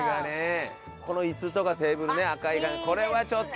このイスとかテーブルね赤いこれはちょっと。